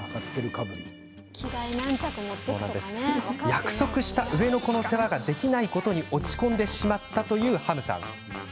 約束した上の子の世話ができないことに落ち込んでしまったハムさん。